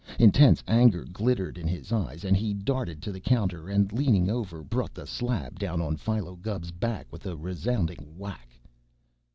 Intense anger glittered in his eyes, and he darted to the counter and, leaning over, brought the slab down on Philo Gubb's back with a resounding whack.